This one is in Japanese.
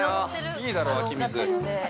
◆いいだろ、湧き水。